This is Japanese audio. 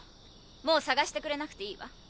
もう捜してくれなくていいわ。